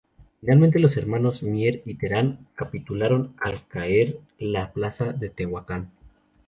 Finalmente los hermanos Mier y Terán capitularon al caer la plaza de Tehuacán.